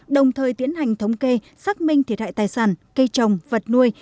đồng thời tiến hành thống kê xác minh thiệt hại tài sản cây trồng vật nuôi